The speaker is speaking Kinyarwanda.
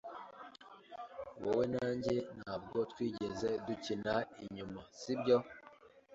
Wowe na njye ntabwo twigeze dukina inyuma, sibyo?